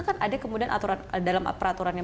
kan ada kemudian dalam peraturan yang